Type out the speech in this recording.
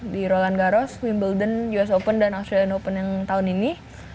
di roland garos wimbledon us open dan australian open yang tahun ini